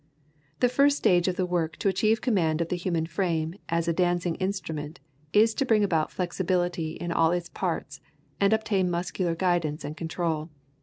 The first stage of the work to achieve command of the human frame as a dancing instrument is to bring about flexibility in all its parts and obtain muscular guidance and control.